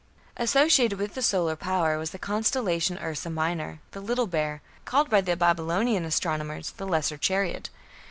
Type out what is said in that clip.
Associated with the Polar Star was the constellation Ursa Minor, "the Little Bear", called by the Babylonian astronomers, "the Lesser Chariot".